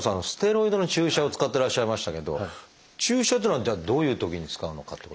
ステロイドの注射を使ってらっしゃいましたけど注射っていうのはじゃあどういうときに使うのか。